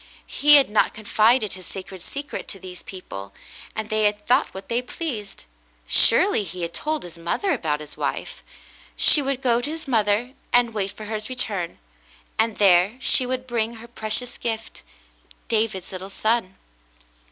He had not confided his sacred secret to these people, and they had thought what they pleased. Surely he had told his mother about his wife. She would go to his mother and wait for his return, and there she would bring her precious gift — David's little son.